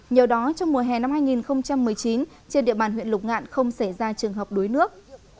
nhờ đó trong mùa hè năm hai nghìn một mươi chín trên địa bàn huyện lục ngạn không xảy ra trường hợp đuối nước